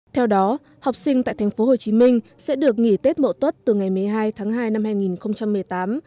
theo đó học sinh tại tp hcm sẽ được nghỉ tết mậu tuất từ ngày một mươi hai tháng hai năm hai nghìn một mươi tám